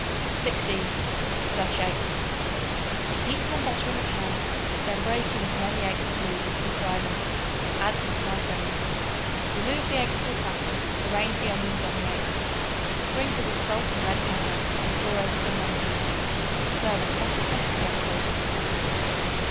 16. Dutch Eggs. Heat some butter in a pan; then break in as many eggs as needed and fry them; add some sliced onions. Remove the eggs to a platter; arrange the onions on the eggs; sprinkle with salt and red pepper and pour over some lemon juice. Serve as hot as possible on toast.